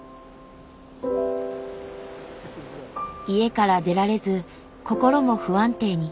家から出られず心も不安定に。